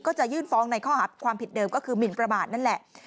ก็จะยื่นฟ้องในข้อหาความผิดเดิมก็คือหมินประมาทนั่นแหละ